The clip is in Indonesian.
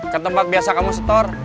ke tempat biasa kamu setor